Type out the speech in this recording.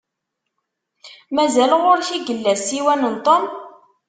Mazal ɣur-k i yella ssiwan n Tom?